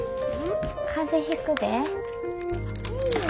風邪ひくで。